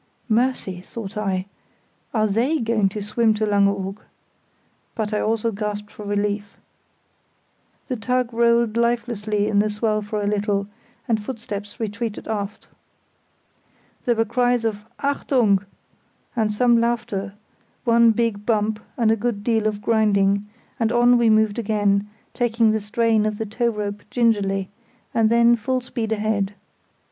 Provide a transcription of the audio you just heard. "Mercy!" thought I, "are they going to swim to Langeoog?" but I also gasped for relief. The tug rolled lifelessly in the swell for a little, and footsteps retreated aft. There were cries of "Achtung!" and some laughter, one big bump and a good deal of grinding; and on we moved again, taking the strain of the tow rope gingerly, and then full speed ahead.